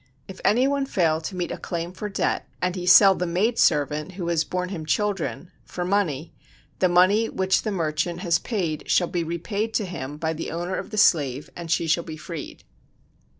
If any one fail to meet a claim for debt, and he sell the maid servant who has borne him children, for money, the money which the merchant has paid shall be repaid to him by the owner of the slave and she shall be freed.